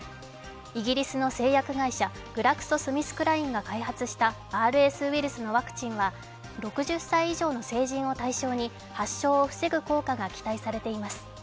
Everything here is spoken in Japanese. イギリスの製薬会社グラクソ・スミスクラインが開発したＲＳウイルスのワクチンは、６０歳以上の成人を対象に発症を防ぐ効果が期待されています。